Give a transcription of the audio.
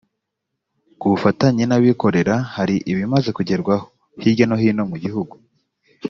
ku bufatanye n’abikorera hari ibimaze kugerwaho, hirya no hino mu gihugu